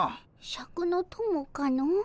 シャクの友かの？